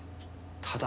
ただ。